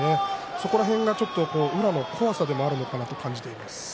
その辺が宇良の怖さでもあるのかなと感じています。